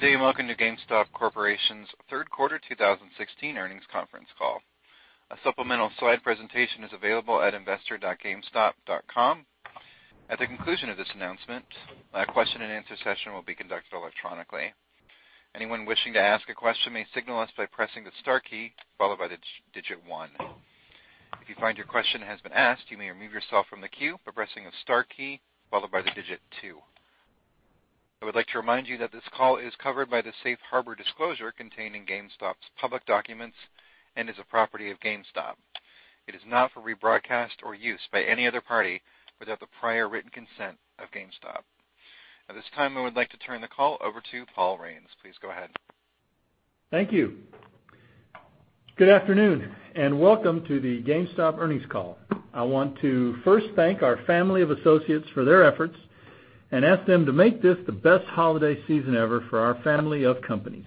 Welcome to GameStop Corporation's third quarter 2016 earnings conference call. A supplemental slide presentation is available at investor.gamestop.com. At the conclusion of this announcement, a question and answer session will be conducted electronically. Anyone wishing to ask a question may signal us by pressing the star key followed by the digit one. If you find your question has been asked, you may remove yourself from the queue by pressing the star key followed by the digit two. I would like to remind you that this call is covered by the safe harbor disclosure contained in GameStop's public documents and is a property of GameStop. It is not for rebroadcast or use by any other party without the prior written consent of GameStop. At this time, I would like to turn the call over to Paul Raines. Please go ahead. Thank you. Welcome to the GameStop earnings call. I want to first thank our family of associates for their efforts and ask them to make this the best holiday season ever for our family of companies.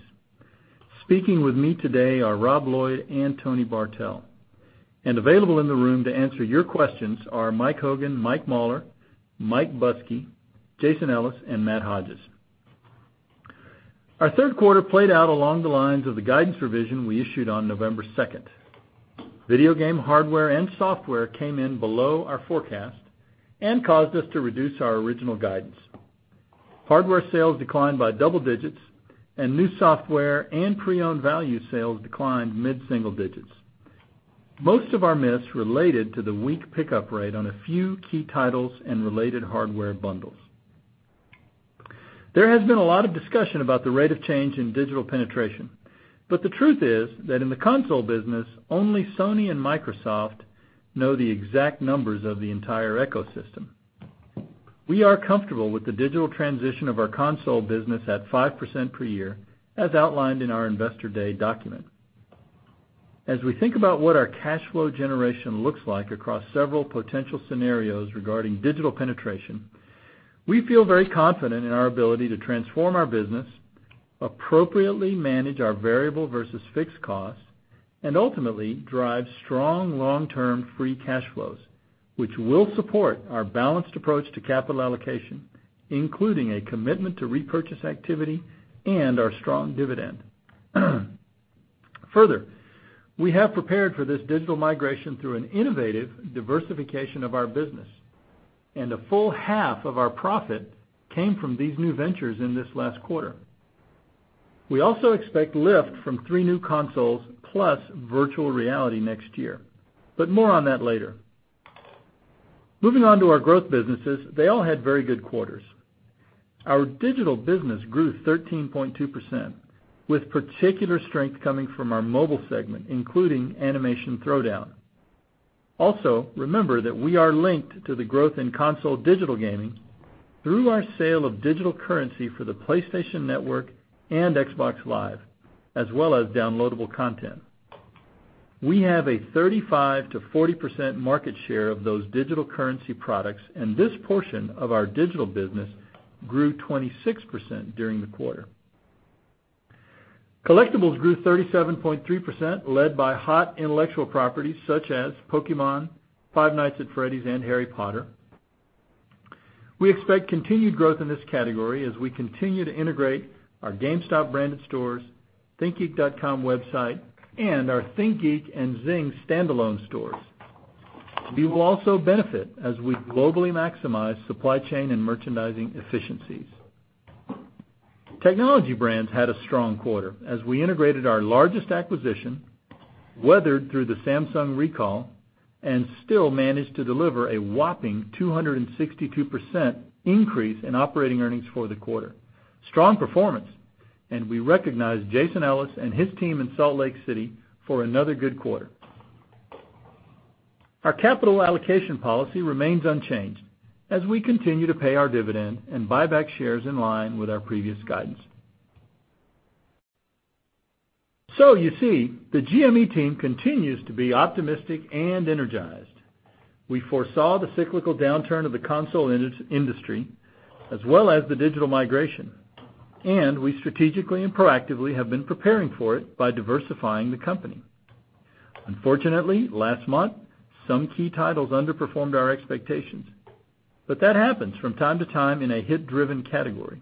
Speaking with me today are Rob Lloyd and Tony Bartel, and available in the room to answer your questions are Mike Hogan, Mike Mauler, Mike Buskey, Jason Ellis, and Matt Hodges. Our third quarter played out along the lines of the guidance revision we issued on November 2nd. Video game hardware and software came in below our forecast and caused us to reduce our original guidance. Hardware sales declined by double digits, and new software and pre-owned value sales declined mid-single digits. Most of our miss related to the weak pickup rate on a few key titles and related hardware bundles. There has been a lot of discussion about the rate of change in digital penetration, but the truth is that in the console business, only Sony and Microsoft know the exact numbers of the entire ecosystem. We are comfortable with the digital transition of our console business at 5% per year, as outlined in our Investor Day document. As we think about what our cash flow generation looks like across several potential scenarios regarding digital penetration, we feel very confident in our ability to transform our business, appropriately manage our variable versus fixed costs, and ultimately drive strong long-term free cash flows, which will support our balanced approach to capital allocation, including a commitment to repurchase activity and our strong dividend. Further, we have prepared for this digital migration through an innovative diversification of our business, and a full half of our profit came from these new ventures in this last quarter. We also expect lift from three new consoles plus virtual reality next year, but more on that later. Moving on to our growth businesses, they all had very good quarters. Our digital business grew 13.2%, with particular strength coming from our mobile segment, including Animation Throwdown. Also, remember that we are linked to the growth in console digital gaming through our sale of digital currency for the PlayStation Network and Xbox Live, as well as downloadable content. We have a 35%-40% market share of those digital currency products, and this portion of our digital business grew 26% during the quarter. Collectibles grew 37.3%, led by hot intellectual properties such as Pokémon, Five Nights at Freddy's, and Harry Potter. We expect continued growth in this category as we continue to integrate our GameStop branded stores, thinkgeek.com website, and our ThinkGeek and Zing standalone stores. We will also benefit as we globally maximize supply chain and merchandising efficiencies. Technology brands had a strong quarter as we integrated our largest acquisition, weathered through the Samsung recall, and still managed to deliver a whopping 262% increase in operating earnings for the quarter. Strong performance, we recognize Jason Ellis and his team in Salt Lake City for another good quarter. Our capital allocation policy remains unchanged as we continue to pay our dividend and buy back shares in line with our previous guidance. You see, the GME team continues to be optimistic and energized. We foresaw the cyclical downturn of the console industry as well as the digital migration, we strategically and proactively have been preparing for it by diversifying the company. Unfortunately, last month, some key titles underperformed our expectations, that happens from time to time in a hit-driven category.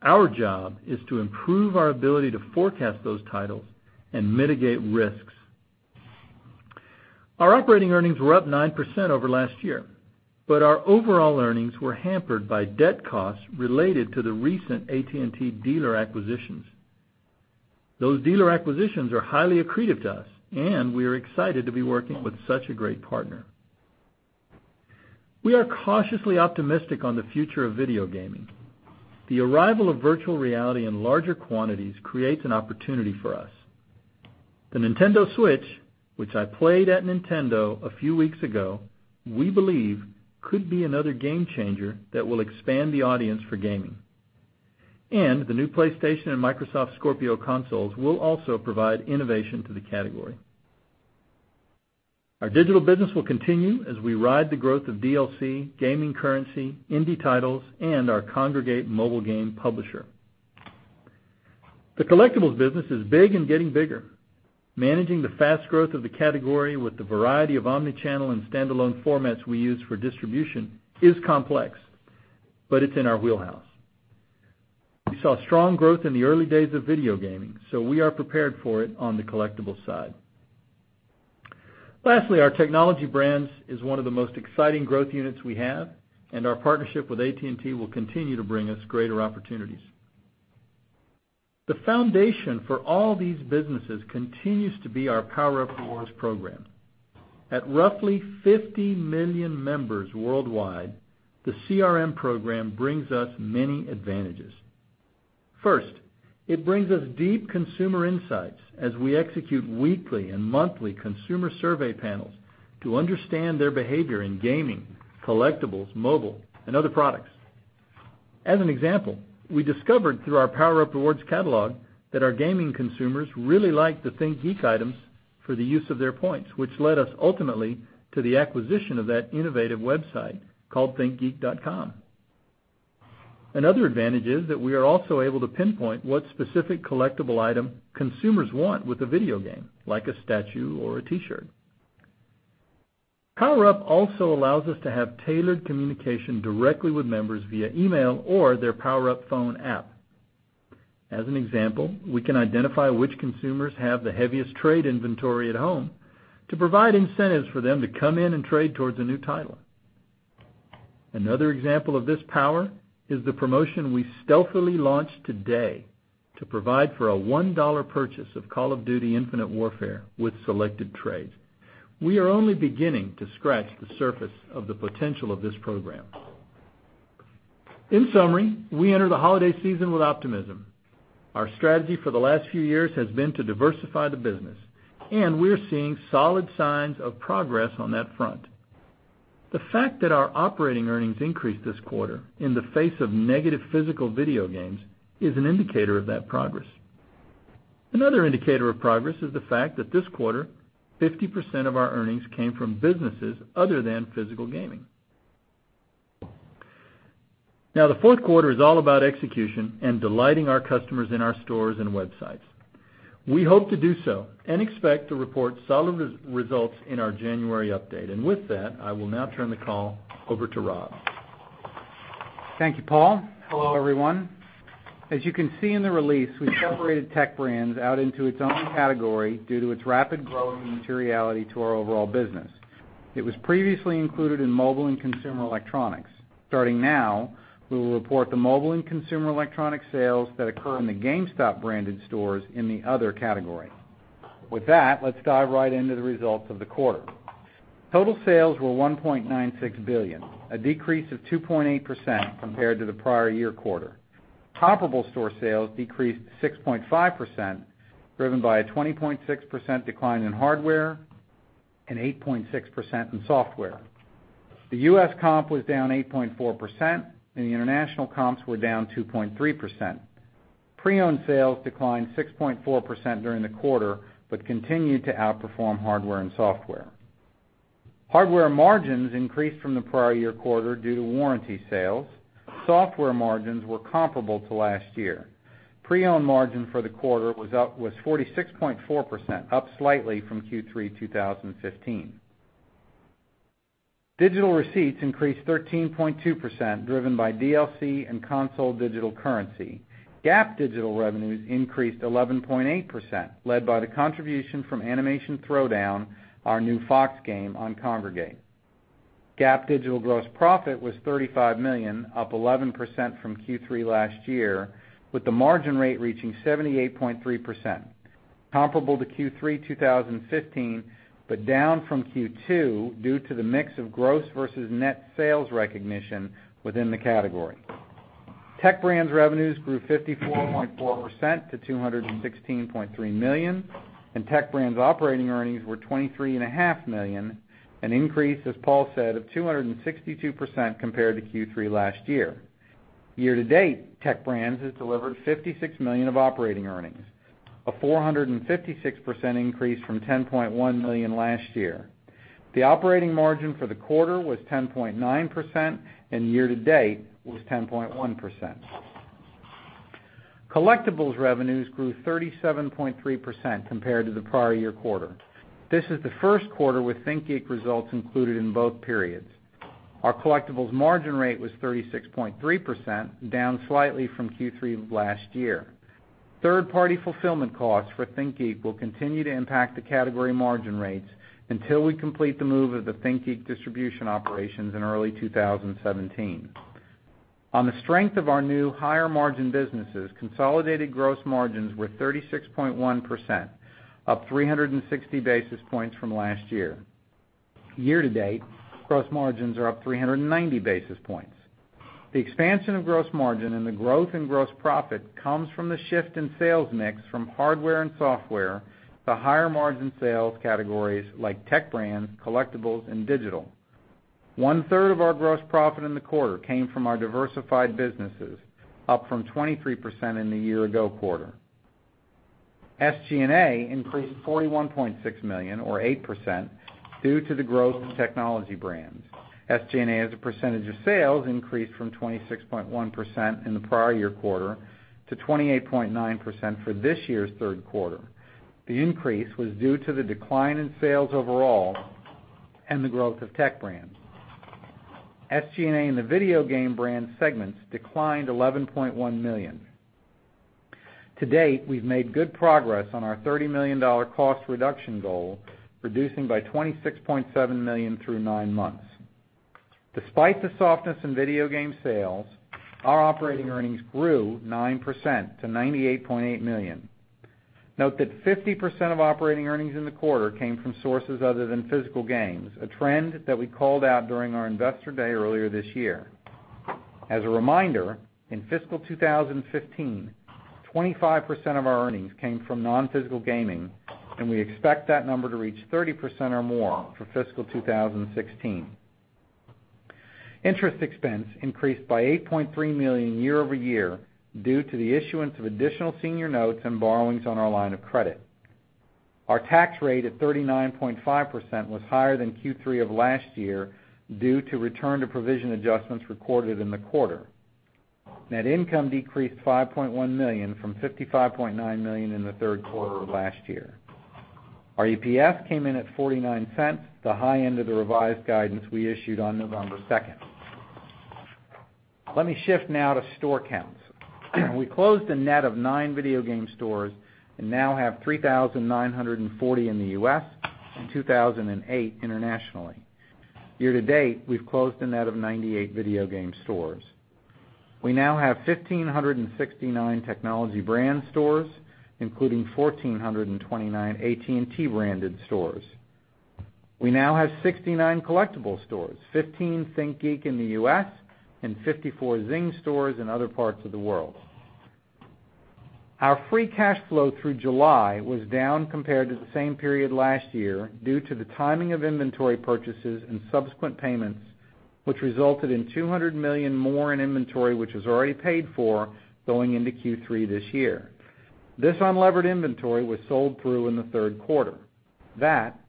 Our job is to improve our ability to forecast those titles and mitigate risks. Our operating earnings were up 9% over last year, our overall earnings were hampered by debt costs related to the recent AT&T dealer acquisitions. Those dealer acquisitions are highly accretive to us, we are excited to be working with such a great partner. We are cautiously optimistic on the future of video gaming. The arrival of virtual reality in larger quantities creates an opportunity for us. The Nintendo Switch, which I played at Nintendo a few weeks ago, we believe could be another game changer that will expand the audience for gaming. The new PlayStation and Microsoft Scorpio consoles will also provide innovation to the category. Our digital business will continue as we ride the growth of DLC, gaming currency, indie titles, and our Kongregate mobile game publisher. The collectibles business is big and getting bigger. Managing the fast growth of the category with the variety of omni-channel and standalone formats we use for distribution is complex, it's in our wheelhouse. We saw strong growth in the early days of video gaming, we are prepared for it on the collectibles side. Lastly, our technology brands is one of the most exciting growth units we have, our partnership with AT&T will continue to bring us greater opportunities. The foundation for all these businesses continues to be our POWERUP Rewards program. At roughly 50 million members worldwide, the CRM program brings us many advantages. First, it brings us deep consumer insights as we execute weekly and monthly consumer survey panels to understand their behavior in gaming, collectibles, mobile, and other products. As an example, we discovered through our POWERUP Rewards catalog that our gaming consumers really like the ThinkGeek items for the use of their points, which led us ultimately to the acquisition of that innovative website called thinkgeek.com. Another advantage is that we are also able to pinpoint what specific collectible item consumers want with a video game, like a statue or a T-shirt. POWERUP also allows us to have tailored communication directly with members via email or their POWERUP phone app. As an example, we can identify which consumers have the heaviest trade inventory at home to provide incentives for them to come in and trade towards a new title. Another example of this power is the promotion we stealthily launched today to provide for a $1 purchase of Call of Duty: Infinite Warfare with selected trades. We are only beginning to scratch the surface of the potential of this program. In summary, we enter the holiday season with optimism. Our strategy for the last few years has been to diversify the business, and we're seeing solid signs of progress on that front. The fact that our operating earnings increased this quarter in the face of negative physical video games is an indicator of that progress. Another indicator of progress is the fact that this quarter, 50% of our earnings came from businesses other than physical gaming. The fourth quarter is all about execution and delighting our customers in our stores and websites. We hope to do so and expect to report solid results in our January update. With that, I will now turn the call over to Rob. Thank you, Paul. Hello, everyone. As you can see in the release, we separated Tech Brands out into its own category due to its rapid growth and materiality to our overall business. It was previously included in mobile and consumer electronics. Starting now, we will report the mobile and consumer electronic sales that occur in the GameStop branded stores in the other category. With that, let's dive right into the results of the quarter. Total sales were $1.96 billion, a decrease of 2.8% compared to the prior year quarter. Comparable store sales decreased 6.5%, driven by a 20.6% decline in hardware and 8.6% in software. The U.S. comp was down 8.4%, and the international comps were down 2.3%. Pre-owned sales declined 6.4% during the quarter, but continued to outperform hardware and software. Hardware margins increased from the prior year quarter due to warranty sales. Software margins were comparable to last year. Pre-owned margin for the quarter was 46.4%, up slightly from Q3 2015. Digital receipts increased 13.2%, driven by DLC and console digital currency. GAAP digital revenues increased 11.8%, led by the contribution from Animation Throwdown, our new Fox game on Kongregate. GAAP digital gross profit was $35 million, up 11% from Q3 last year, with the margin rate reaching 78.3%, comparable to Q3 2015, but down from Q2 due to the mix of gross versus net sales recognition within the category. Tech Brands revenues grew 54.4% to $216.3 million, and Tech Brands operating earnings were $23.5 million, an increase, as Paul said, of 262% compared to Q3 last year. Year to date, Tech Brands has delivered $56 million of operating earnings, a 456% increase from $10.1 million last year. The operating margin for the quarter was 10.9%, and year to date was 10.1%. Collectibles revenues grew 37.3% compared to the prior year quarter. This is the first quarter with ThinkGeek results included in both periods. Our collectibles margin rate was 36.3%, down slightly from Q3 last year. Third-party fulfillment costs for ThinkGeek will continue to impact the category margin rates until we complete the move of the ThinkGeek distribution operations in early 2017. On the strength of our new higher-margin businesses, consolidated gross margins were 36.1%, up 360 basis points from last year. Year to date, gross margins are up 390 basis points. The expansion of gross margin and the growth in gross profit comes from the shift in sales mix from hardware and software to higher margin sales categories like Tech Brands, collectibles, and digital. One third of our gross profit in the quarter came from our diversified businesses, up from 23% in the year ago quarter. SG&A increased $41.6 million or 8% due to the growth of technology brands. SG&A as a percentage of sales increased from 26.1% in the prior year quarter to 28.9% for this year's third quarter. The increase was due to the decline in sales overall and the growth of Tech Brands. SG&A in the video game brand segments declined $11.1 million. To date, we've made good progress on our $30 million cost reduction goal, reducing by $26.7 million through nine months. Despite the softness in video game sales, our operating earnings grew 9% to $98.8 million. Note that 50% of operating earnings in the quarter came from sources other than physical games, a trend that we called out during our investor day earlier this year. As a reminder, in fiscal 2015, 25% of our earnings came from non-physical gaming, and we expect that number to reach 30% or more for fiscal 2016. Interest expense increased by $8.3 million year-over-year due to the issuance of additional senior notes and borrowings on our line of credit. Our tax rate at 39.5% was higher than Q3 of last year due to return to provision adjustments recorded in the quarter. Net income decreased $5.1 million from $55.9 million in the third quarter of last year. Our EPS came in at $0.49, the high end of the revised guidance we issued on November 2nd. Let me shift now to store counts. We closed a net of nine video game stores and now have 3,940 in the U.S. and 2,008 internationally. Year to date, we've closed a net of 98 video game stores. We now have 1,569 technology brand stores, including 1,429 AT&T branded stores. We now have 69 collectible stores, 15 ThinkGeek in the U.S. and 54 Zing stores in other parts of the world. Our free cash flow through July was down compared to the same period last year due to the timing of inventory purchases and subsequent payments, which resulted in $200 million more in inventory which was already paid for going into Q3 this year. This unlevered inventory was sold through in the third quarter. That,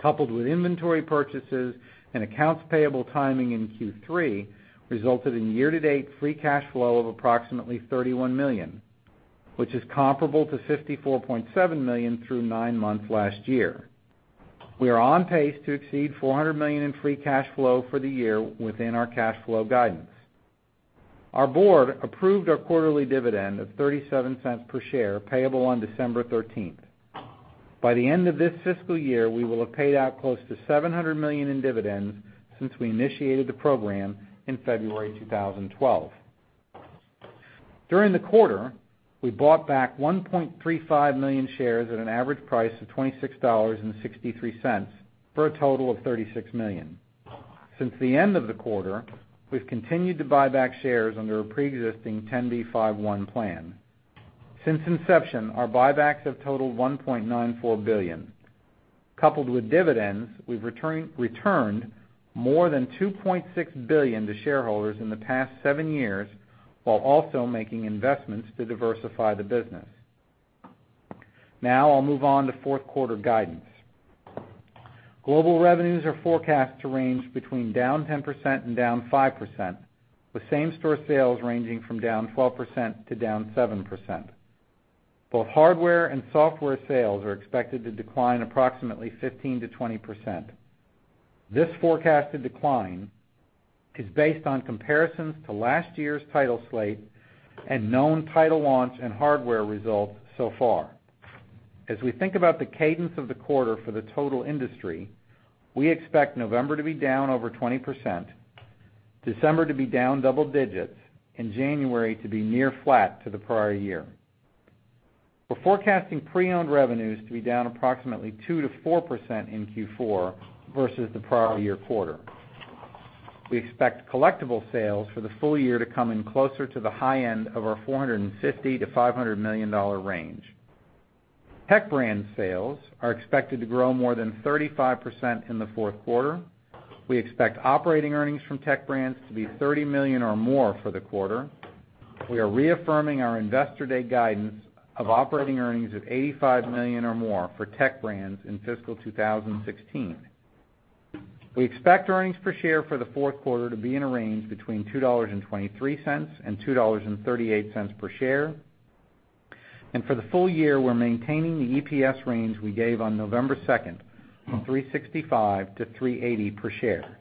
coupled with inventory purchases and accounts payable timing in Q3, resulted in year-to-date free cash flow of approximately $31 million, which is comparable to $54.7 million through nine months last year. We are on pace to exceed $400 million in free cash flow for the year within our cash flow guidance. Our board approved our quarterly dividend of $0.37 per share payable on December 13th. By the end of this fiscal year, we will have paid out close to $700 million in dividends since we initiated the program in February 2012. During the quarter, we bought back 1.35 million shares at an average price of $26.63 for a total of $36 million. Since the end of the quarter, we've continued to buy back shares under a preexisting 10b5-1 plan. Since inception, our buybacks have totaled $1.94 billion. Coupled with dividends, we've returned more than $2.6 billion to shareholders in the past seven years while also making investments to diversify the business. Now I'll move on to fourth quarter guidance. Global revenues are forecast to range between down 10% and down 5%, with same-store sales ranging from down 12% to down 7%. Both hardware and software sales are expected to decline approximately 15%-20%. This forecasted decline is based on comparisons to last year's title slate and known title launch and hardware results so far. As we think about the cadence of the quarter for the total industry, we expect November to be down over 20%, December to be down double digits, and January to be near flat to the prior year. We're forecasting pre-owned revenues to be down approximately 2%-4% in Q4 versus the prior year quarter. We expect collectible sales for the full year to come in closer to the high end of our $450 million-$500 million range. Tech Brands sales are expected to grow more than 35% in the fourth quarter. We expect operating earnings from Tech Brands to be $30 million or more for the quarter. We are reaffirming our Investor Day guidance of operating earnings of $85 million or more for Tech Brands in fiscal 2016. We expect earnings per share for the fourth quarter to be in a range between $2.23 and $2.38 per share. For the full year, we're maintaining the EPS range we gave on November 2nd from $3.65-$3.80 per share.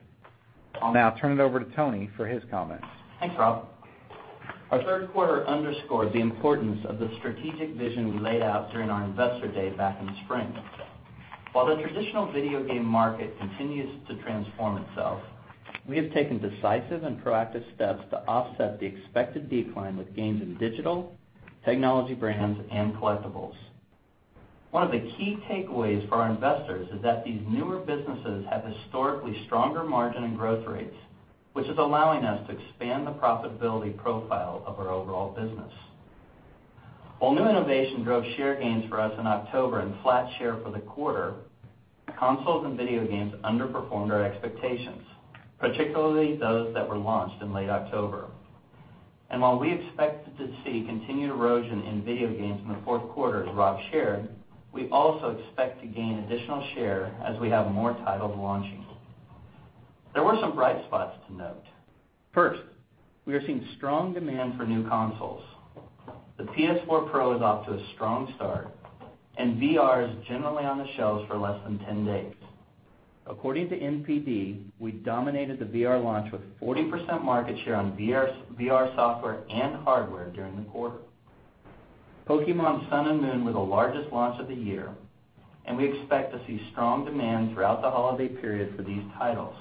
I'll now turn it over to Tony for his comments. Thanks, Rob. Our third quarter underscored the importance of the strategic vision we laid out during our Investor Day back in the spring. While the traditional video game market continues to transform itself, we have taken decisive and proactive steps to offset the expected decline with gains in digital, technology brands, and collectibles. One of the key takeaways for our investors is that these newer businesses have historically stronger margin and growth rates, which is allowing us to expand the profitability profile of our overall business. While new innovation drove share gains for us in October and flat share for the quarter. Consoles and video games underperformed our expectations, particularly those that were launched in late October. While we expect to see continued erosion in video games in the fourth quarter, as Rob shared, we also expect to gain additional share as we have more titles launching. There were some bright spots to note. First, we are seeing strong demand for new consoles. The PS4 Pro is off to a strong start, and VR is generally on the shelves for less than 10 days. According to NPD, we dominated the VR launch with 40% market share on VR software and hardware during the quarter. "Pokémon Sun" and "Moon" were the largest launch of the year, and we expect to see strong demand throughout the holiday period for these titles.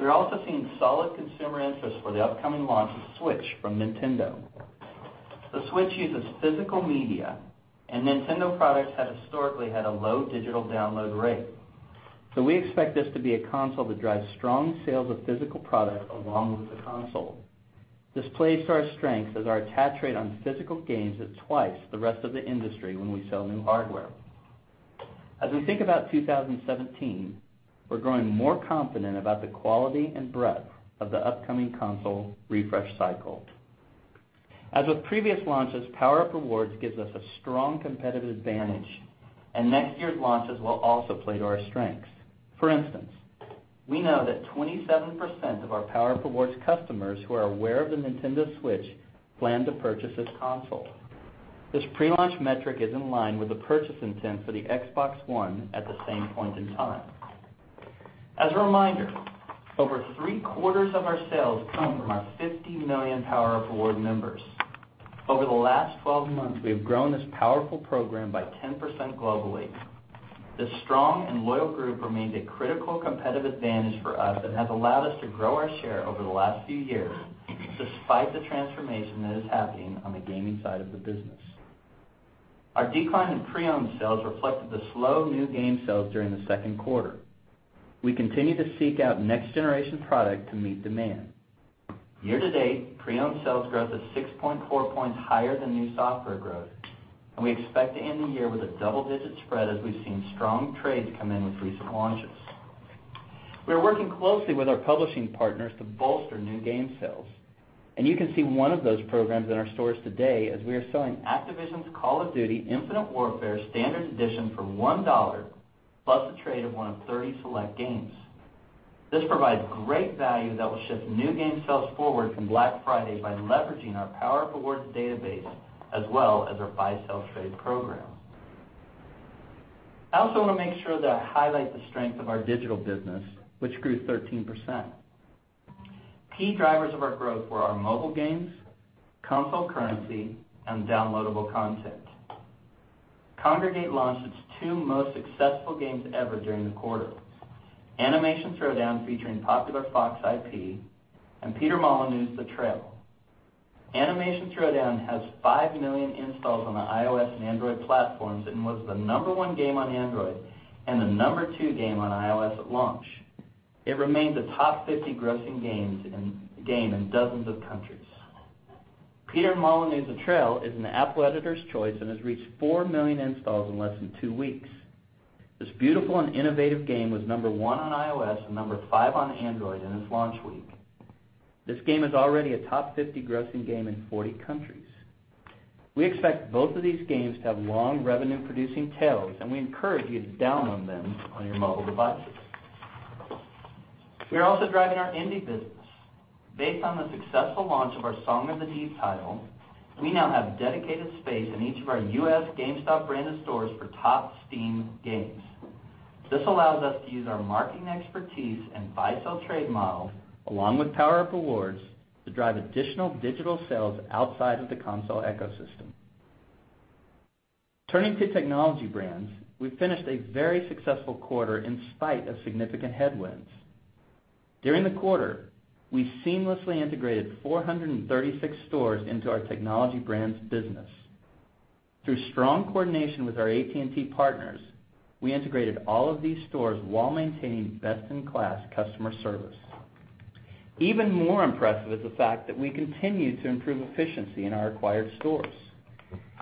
We are also seeing solid consumer interest for the upcoming launch of Switch from Nintendo. The Switch uses physical media, and Nintendo products have historically had a low digital download rate. We expect this to be a console that drives strong sales of physical product along with the console. This plays to our strength, as our attach rate on physical games is twice the rest of the industry when we sell new hardware. As we think about 2017, we're growing more confident about the quality and breadth of the upcoming console refresh cycle. As with previous launches, PowerUp Rewards gives us a strong competitive advantage, and next year's launches will also play to our strengths. For instance, we know that 27% of our PowerUp Rewards customers who are aware of the Nintendo Switch plan to purchase this console. This pre-launch metric is in line with the purchase intent for the Xbox One at the same point in time. As a reminder, over three-quarters of our sales come from our 50 million PowerUp Rewards members. Over the last 12 months, we have grown this powerful program by 10% globally. This strong and loyal group remains a critical competitive advantage for us and has allowed us to grow our share over the last few years, despite the transformation that is happening on the gaming side of the business. Our decline in pre-owned sales reflected the slow new game sales during the second quarter. We continue to seek out next-generation product to meet demand. Year-to-date, pre-owned sales growth is 6.4 points higher than new software growth, and we expect to end the year with a double-digit spread, as we've seen strong trades come in with recent launches. We are working closely with our publishing partners to bolster new game sales. You can see one of those programs in our stores today, as we are selling Activision's "Call of Duty: Infinite Warfare" standard edition for $1 plus a trade of one of 30 select games. This provides great value that will shift new game sales forward from Black Friday by leveraging our PowerUp Rewards database as well as our buy-sell-trade program. I also want to make sure that I highlight the strength of our digital business, which grew 13%. Key drivers of our growth were our mobile games, console currency, and downloadable content. Kongregate launched its two most successful games ever during the quarter, "Animation Throwdown," featuring popular Fox IP, and "Peter Molyneux's The Trail." "Animation Throwdown" has five million installs on the iOS and Android platforms and was the number one game on Android and the number two game on iOS at launch. It remains a top 50 grossing game in dozens of countries. "Peter Molyneux's The Trail" is an Apple Editor's Choice and has reached four million installs in less than two weeks. This beautiful and innovative game was number 1 on iOS and number 5 on Android in its launch week. This game is already a top 50 grossing game in 40 countries. We expect both of these games to have long revenue-producing tails, and we encourage you to download them on your mobile devices. We are also driving our indie business. Based on the successful launch of our Song of the Deep title, we now have dedicated space in each of our U.S. GameStop branded stores for top Steam games. This allows us to use our marketing expertise and buy-sell-trade model, along with PowerUp Rewards, to drive additional digital sales outside of the console ecosystem. Turning to Technology Brands, we finished a very successful quarter in spite of significant headwinds. During the quarter, we seamlessly integrated 436 stores into our Technology Brands business. Through strong coordination with our AT&T partners, we integrated all of these stores while maintaining best-in-class customer service. Even more impressive is the fact that we continue to improve efficiency in our acquired stores.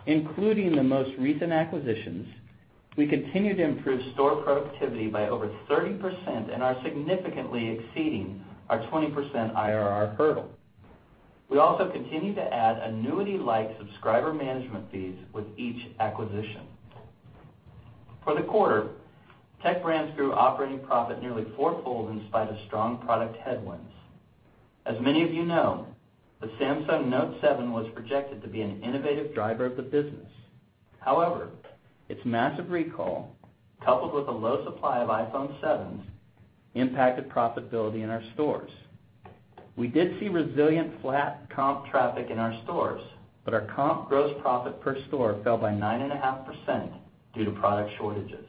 Including the most recent acquisitions, we continue to improve store productivity by over 30% and are significantly exceeding our 20% IRR hurdle. We also continue to add annuity-like subscriber management fees with each acquisition. For the quarter, Tech Brands grew operating profit nearly fourfold in spite of strong product headwinds. As many of you know, the Samsung Note7 was projected to be an innovative driver of the business. However, its massive recall, coupled with a low supply of iPhone 7s, impacted profitability in our stores. We did see resilient flat comp traffic in our stores, but our comp gross profit per store fell by 9.5% due to product shortages.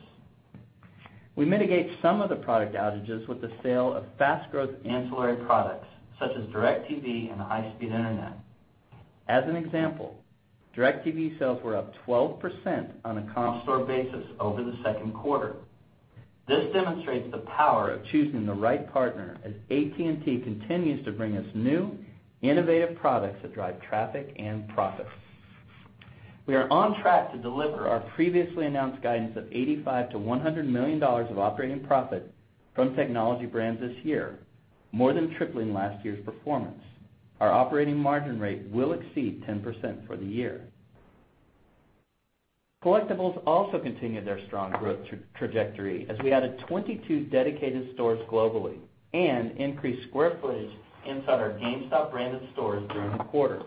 We mitigate some of the product outages with the sale of fast growth ancillary products, such as DIRECTV and high-speed internet. As an example, DIRECTV sales were up 12% on a comp store basis over the second quarter. This demonstrates the power of choosing the right partner as AT&T continues to bring us new, innovative products that drive traffic and profit. We are on track to deliver our previously announced guidance of $85 million-$100 million of operating profit from Technology Brands this year, more than tripling last year's performance. Our operating margin rate will exceed 10% for the year. Collectibles also continued their strong growth trajectory as we added 22 dedicated stores globally and increased square footage inside our GameStop branded stores during the quarter.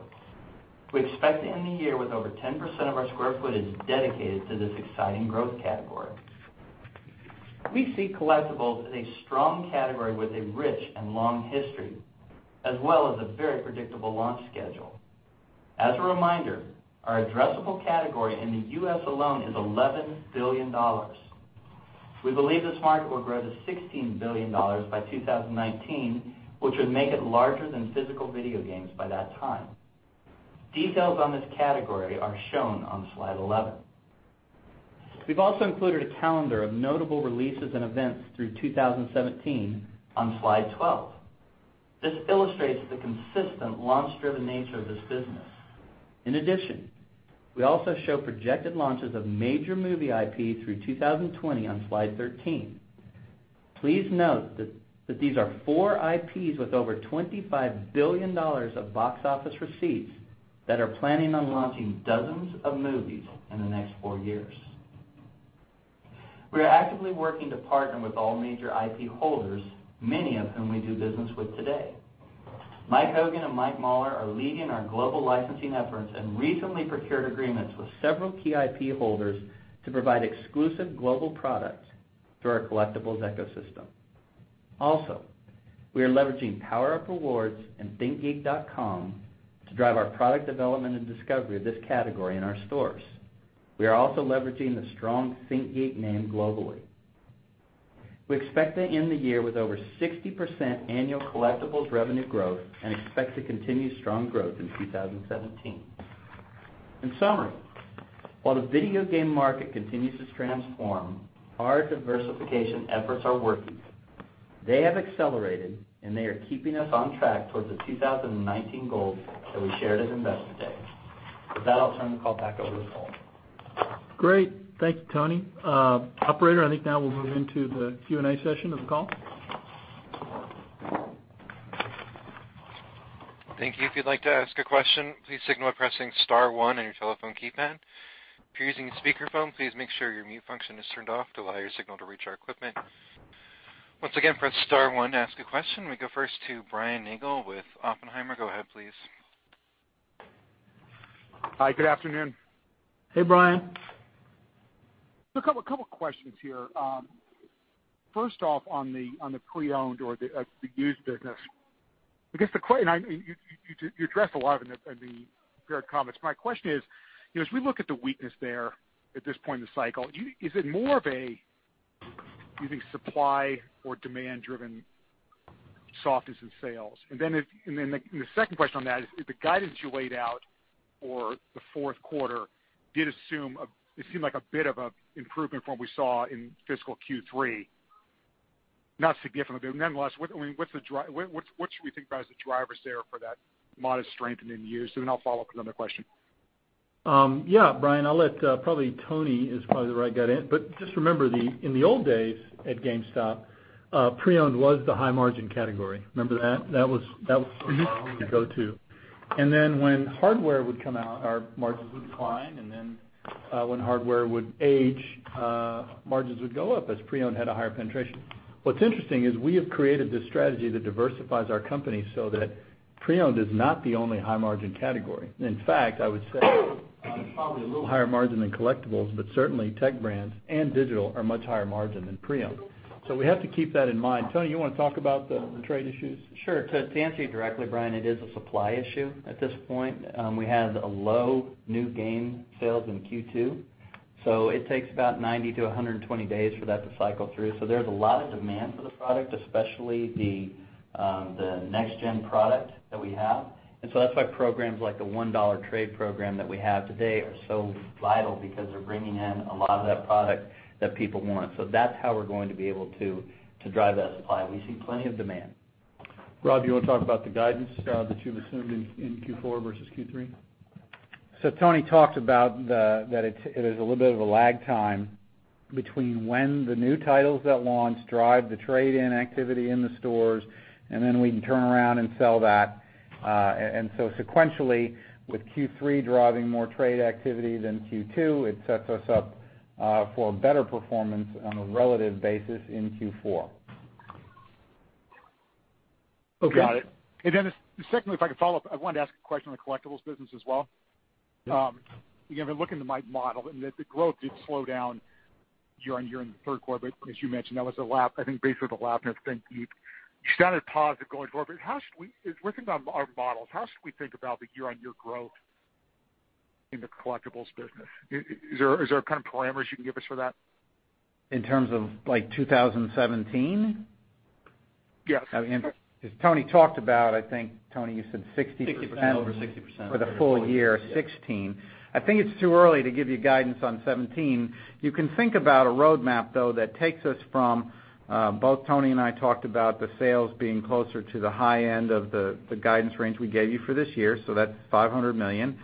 We expect to end the year with over 10% of our square footage dedicated to this exciting growth category. We see collectibles as a strong category with a rich and long history, as well as a very predictable launch schedule. As a reminder, our addressable category in the U.S. alone is $11 billion. We believe this market will grow to $16 billion by 2019, which would make it larger than physical video games by that time. Details on this category are shown on slide 11. We have also included a calendar of notable releases and events through 2017 on slide 12. This illustrates the consistent launch-driven nature of this business. In addition, we also show projected launches of major movie IP through 2020 on slide 13. Please note that these are four IPs with over $25 billion of box office receipts that are planning on launching dozens of movies in the next four years. We are actively working to partner with all major IP holders, many of whom we do business with today. Mike Hogan and Mike Mauler are leading our global licensing efforts and recently procured agreements with several key IP holders to provide exclusive global products through our collectibles ecosystem. We are leveraging PowerUp Rewards and thinkgeek.com to drive our product development and discovery of this category in our stores. We are also leveraging the strong ThinkGeek name globally. We expect to end the year with over 60% annual collectibles revenue growth and expect to continue strong growth in 2017. In summary, while the video game market continues to transform, our diversification efforts are working. They have accelerated, and they are keeping us on track towards the 2019 goals that we shared at Investor Day. With that, I'll turn the call back over to Paul. Great. Thank you, Tony. Operator, I think now we'll move into the Q&A session of the call. Thank you. If you'd like to ask a question, please signal by pressing *1 on your telephone keypad. If you're using speakerphone, please make sure your mute function is turned off to allow your signal to reach our equipment. Once again, press *1 to ask a question. We go first to Brian Nagel with Oppenheimer. Go ahead, please. Hi, good afternoon. Hey, Brian. A couple of questions here. First off on the pre-owned or the used business. You addressed a lot of it in the prepared comments. My question is, as we look at the weakness there at this point in the cycle, is it more of a, do you think, supply or demand driven softness in sales? The second question on that is, the guidance you laid out for the fourth quarter did assume a bit of improvement from what we saw in fiscal Q3. Not significantly, but nonetheless, what should we think about as the drivers there for that modest strength in used? I'll follow up with another question. Yeah, Brian. Probably Tony is the right guy in. Just remember, in the old days at GameStop, pre-owned was the high margin category. Remember that? The go-to. When hardware would come out, our margins would decline, and then when hardware would age, margins would go up as pre-owned had a higher penetration. What's interesting is we have created this strategy that diversifies our company so that pre-owned is not the only high margin category. In fact, I would say it's probably a little higher margin than collectibles, but certainly Tech Brands and digital are much higher margin than pre-owned. We have to keep that in mind. Tony, you want to talk about the trade issues? Sure. To answer you directly, Brian, it is a supply issue at this point. We had low new game sales in Q2, it takes about 90-120 days for that to cycle through. There's a lot of demand for the product, especially the next-gen product that we have. That's why programs like the $1 trade program that we have today are so vital because they're bringing in a lot of that product that people want. That's how we're going to be able to drive that supply. We see plenty of demand. Rob, you want to talk about the guidance that you've assumed in Q4 versus Q3? Tony talked about that it is a little bit of a lag time between when the new titles that launch drive the trade-in activity in the stores, then we can turn around and sell that. Sequentially, with Q3 driving more trade activity than Q2, it sets us up for a better performance on a relative basis in Q4. Got it. Secondly, if I could follow up, I wanted to ask a question on the collectibles business as well. Again, looking at my model and the growth did slow down year-over-year in the third quarter. As you mentioned, that was, I think, basically the lap in ThinkGeek. You sounded positive going forward, looking at our models, how should we think about the year-over-year growth in the collectibles business? Is there parameters you can give us for that? In terms of 2017? Yes. As Tony talked about, I think, Tony, you said 60%- 60%, over 60% for the full year of 2016. I think it's too early to give you guidance on 2017. You can think about a roadmap, though, that takes us from, both Tony and I talked about the sales being closer to the high end of the guidance range we gave you for this year, so that's $500 million.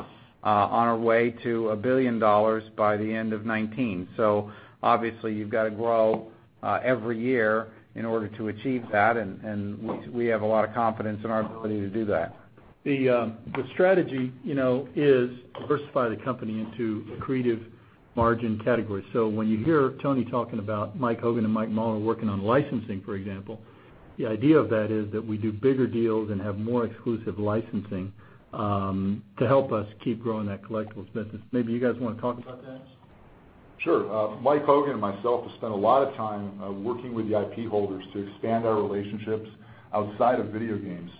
On our way to a $1 billion by the end of 2019. Obviously you've got to grow every year in order to achieve that, and we have a lot of confidence in our ability to do that. The strategy is diversify the company into accretive margin categories. When you hear Tony talking about Mike Hogan and Mike Mauler working on licensing, for example, the idea of that is that we do bigger deals and have more exclusive licensing to help us keep growing that collectibles business. Maybe you guys want to talk about that? Sure. Mike Hogan and myself have spent a lot of time working with the IP holders to expand our relationships outside of video games.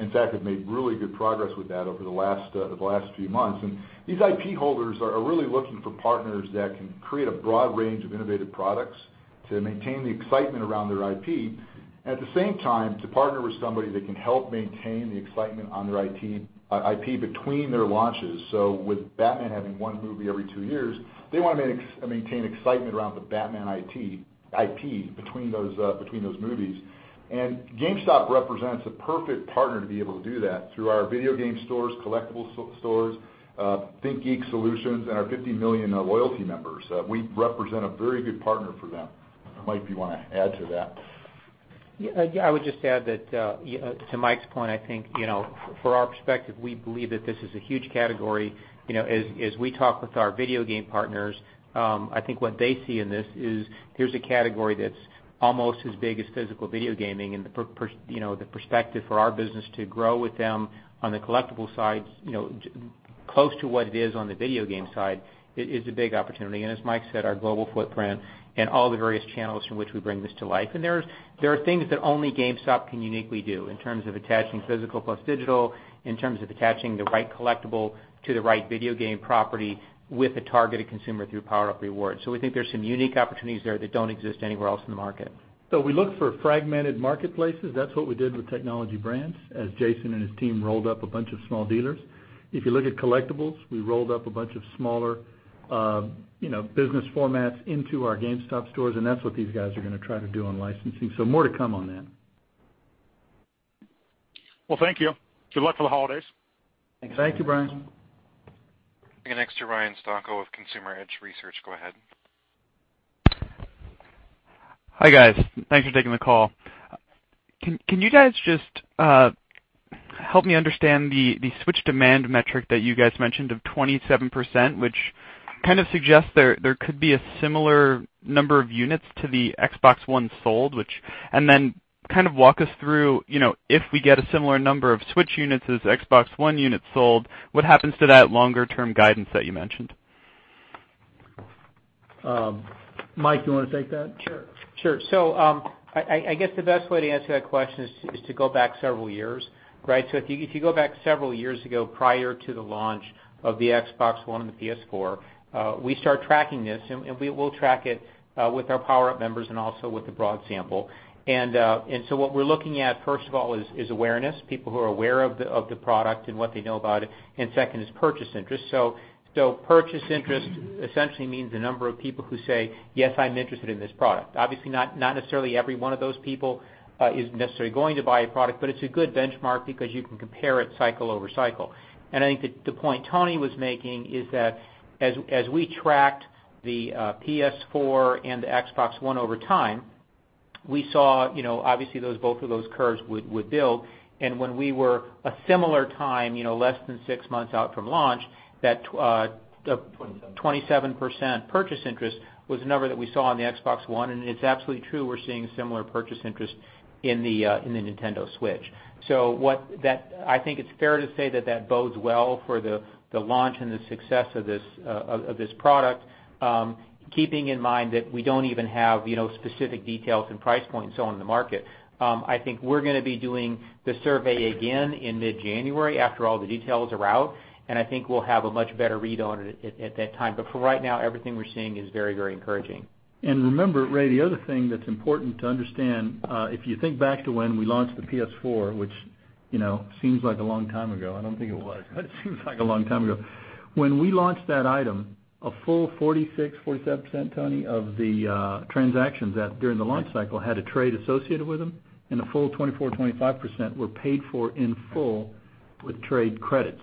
In fact, we've made really good progress with that over the last few months. These IP holders are really looking for partners that can create a broad range of innovative products to maintain the excitement around their IP, and at the same time, to partner with somebody that can help maintain the excitement on their IP between their launches. With Batman having one movie every two years, they want to maintain excitement around the Batman IP between those movies. GameStop represents a perfect partner to be able to do that through our video game stores, collectibles stores, ThinkGeek Solutions, and our 50 million loyalty members. We represent a very good partner for them. Mike, do you want to add to that? Yeah, I would just add that, to Mike's point, I think, for our perspective, we believe that this is a huge category. As we talk with our video game partners, I think what they see in this is here's a category that's almost as big as physical video gaming and the perspective for our business to grow with them on the collectible side, close to what it is on the video game side, is a big opportunity, and as Mike said, our global footprint and all the various channels from which we bring this to life. There are things that only GameStop can uniquely do in terms of attaching physical plus digital, in terms of attaching the right collectible to the right video game property with a targeted consumer through PowerUp Rewards. We think there's some unique opportunities there that don't exist anywhere else in the market. We look for fragmented marketplaces. That's what we did with technology brands, as Jason and his team rolled up a bunch of small dealers. If you look at collectibles, we rolled up a bunch of smaller business formats into our GameStop stores, and that's what these guys are going to try to do on licensing. More to come on that. Well, thank you. Good luck for the holidays. Thank you, Brian. Next to Ryan Stanko with Consumer Edge Research. Go ahead. Hi, guys. Thanks for taking the call. Can you guys just help me understand the Switch demand metric that you guys mentioned of 27%, which kind of suggests there could be a similar number of units to the Xbox One sold, and then kind of walk us through, if we get a similar number of Switch units as Xbox One units sold, what happens to that longer-term guidance that you mentioned? Mike, do you want to take that? Sure. I guess the best way to answer that question is to go back several years. If you go back several years ago, prior to the launch of the Xbox One and the PS4, we start tracking this and we will track it with our PowerUp members and also with the broad sample. What we're looking at, first of all, is awareness, people who are aware of the product and what they know about it. Second is purchase interest. Purchase interest essentially means the number of people who say, "Yes, I'm interested in this product." Obviously, not necessarily every one of those people is necessarily going to buy a product, but it's a good benchmark because you can compare it cycle over cycle. I think the point Tony was making is that as we tracked the PS4 and the Xbox One over time, we saw, obviously, both of those curves would build. When we were a similar time, less than six months out from launch, that 27 27% purchase interest was the number that we saw on the Xbox One. It's absolutely true we're seeing similar purchase interest in the Nintendo Switch. I think it's fair to say that that bodes well for the launch and the success of this product, keeping in mind that we don't even have specific details and price points on the market. I think we're going to be doing the survey again in mid-January after all the details are out. I think we'll have a much better read on it at that time. For right now, everything we're seeing is very encouraging. Remember, Ryan, the other thing that's important to understand, if you think back to when we launched the PS4, which seems like a long time ago. I don't think it was, but it seems like a long time ago. When we launched that item, a full 46%-47%, Tony, of the transactions during the launch cycle had a trade associated with them, and a full 24%-25% were paid for in full with trade credit.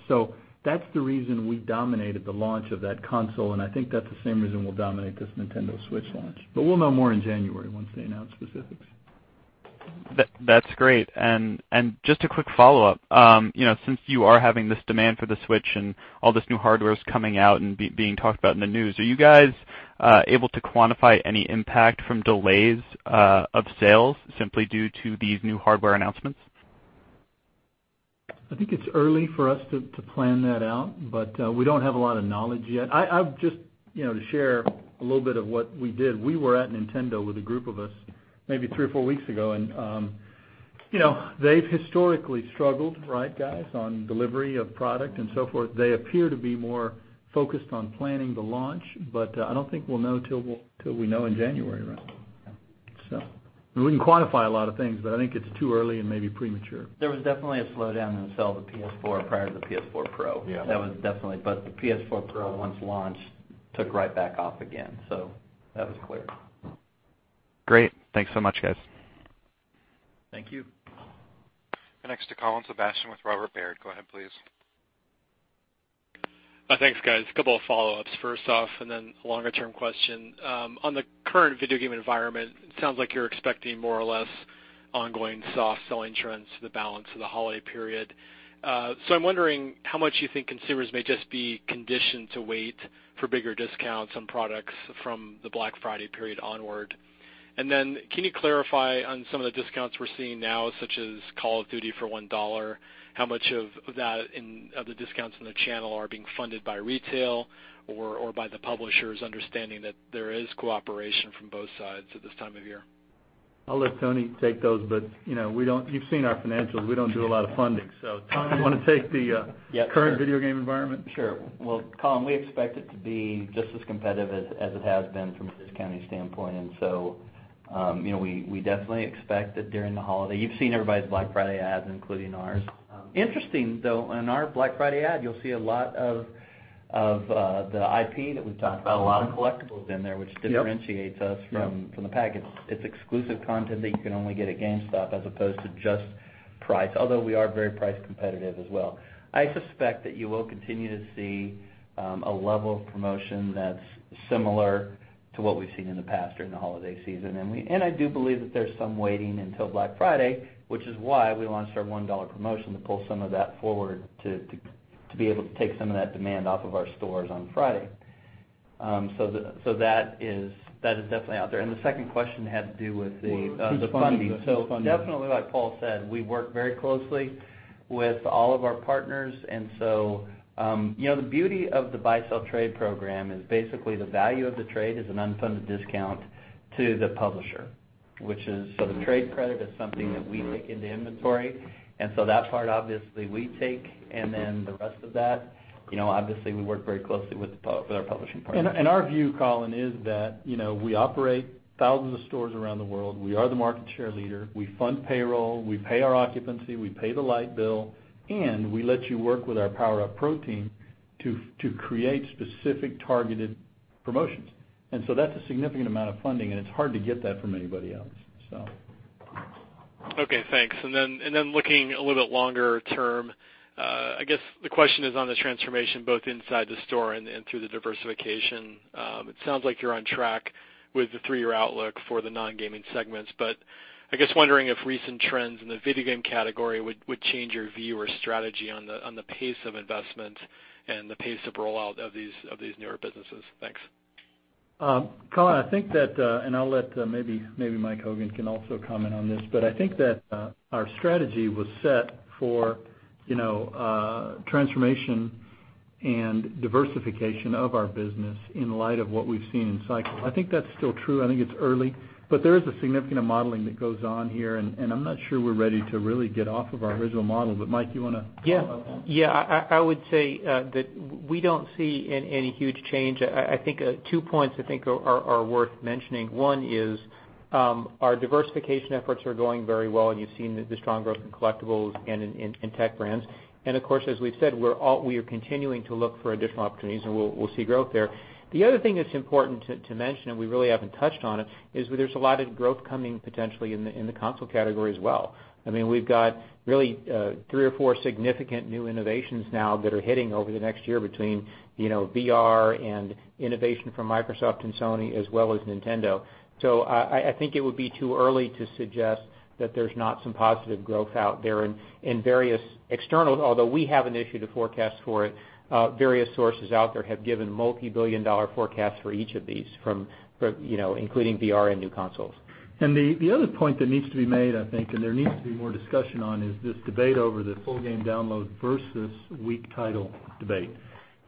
That's the reason we dominated the launch of that console, and I think that's the same reason we'll dominate this Nintendo Switch launch. We'll know more in January once they announce specifics. That's great. Just a quick follow-up. Since you are having this demand for the Switch and all this new hardware is coming out and being talked about in the news, are you guys able to quantify any impact from delays of sales simply due to these new hardware announcements? I think it's early for us to plan that out, but we don't have a lot of knowledge yet. Just to share a little bit of what we did. We were at Nintendo with a group of us maybe three or four weeks ago, and they've historically struggled, right guys, on delivery of product and so forth. They appear to be more focused on planning the launch, but I don't think we'll know till we know in January, right? Yeah. We can quantify a lot of things, but I think it's too early and maybe premature. There was definitely a slowdown in the sale of the PS4 prior to the PS4 Pro. Yeah. That was definitely, but the PS4 Pro, once launched, took right back off again. That was clear. Great. Thanks so much, guys. Thank you. Next to Colin Sebastian with Robert W. Baird. Go ahead, please. Thanks, guys. A couple of follow-ups. First off, and then a longer-term question. On the current video game environment, it sounds like you're expecting more or less ongoing soft selling trends for the balance of the holiday period. I'm wondering how much you think consumers may just be conditioned to wait for bigger discounts on products from the Black Friday period onward. Can you clarify on some of the discounts we're seeing now, such as Call of Duty for $1, how much of that, of the discounts on the channel are being funded by retail or by the publishers, understanding that there is cooperation from both sides at this time of year? I'll let Tony take those. You've seen our financials. We don't do a lot of funding. Tony, you want to take the Yeah, sure current video game environment? Sure. Well, Colin, we expect it to be just as competitive as it has been from a discount standpoint. We definitely expect that during the holiday. You've seen everybody's Black Friday ads, including ours. Interesting, though, in our Black Friday ad, you'll see a lot of the IP that we've talked about, a lot of collectibles in there, which differentiates us- Yep from the pack. It's exclusive content that you can only get at GameStop as opposed to just price, although we are very price competitive as well. I suspect that you will continue to see a level of promotion that's similar to what we've seen in the past during the holiday season. I do believe that there's some waiting until Black Friday, which is why we launched our $1 promotion to pull some of that forward to be able to take some of that demand off of our stores on Friday. That is definitely out there. The second question had to do with the- Well, who's funding it the funding. Definitely like Paul said, we work very closely with all of our partners. The beauty of the buy-sell trade program is basically the value of the trade is an unfunded discount to the publisher. The trade credit is something that we take into inventory. That part obviously we take, and then the rest of that, obviously, we work very closely with our publishing partners. Our view, Colin, is that, we operate thousands of stores around the world. We are the market share leader. We fund payroll, we pay our occupancy, we pay the light bill, and we let you work with our PowerUp Pro team to create specific targeted promotions. That's a significant amount of funding, and it's hard to get that from anybody else. Okay, thanks. Looking a little bit longer term, I guess the question is on the transformation both inside the store and through the diversification. It sounds like you're on track with the three-year outlook for the non-gaming segments, but I guess wondering if recent trends in the video game category would change your view or strategy on the pace of investment and the pace of rollout of these newer businesses. Thanks. Colin, I think that, and I'll let maybe Mike Hogan can also comment on this, but I think that our strategy was set for transformation and diversification of our business in light of what we've seen in cycles. I think that's still true. I think it's early. There is a significant amount of modeling that goes on here, and I'm not sure we're ready to really get off of our original model. Mike, you want to follow up on that? Yeah. I would say that we don't see any huge change. Two points I think are worth mentioning. One is our diversification efforts are doing very well, and you've seen the strong growth in collectibles and in Tech Brands. Of course, as we've said, we are continuing to look for additional opportunities, and we'll see growth there. The other thing that's important to mention, we really haven't touched on it, is that there's a lot of growth coming potentially in the console category as well. We've got really three or four significant new innovations now that are hitting over the next year between VR and innovation from Microsoft and Sony, as well as Nintendo. I think it would be too early to suggest that there's not some positive growth out there in various externals. Although we haven't issued a forecast for it, various sources out there have given multi-billion dollar forecasts for each of these, including VR and new consoles. The other point that needs to be made, I think, and there needs to be more discussion on, is this debate over the full game download versus weak title debate.